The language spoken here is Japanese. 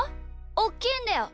おっきいんだよ。